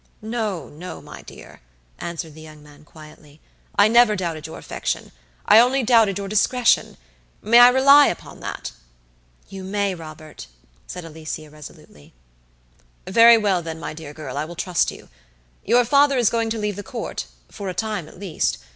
"No, no, my dear," answered the young man, quietly; "I never doubted your affection, I only doubted your discretion. May I rely upon that?" "You may, Robert," said Alicia, resolutely. "Very well, then, my dear girl, I will trust you. Your father is going to leave the Court, for a time at least.